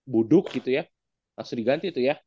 buduk gitu ya langsung diganti itu ya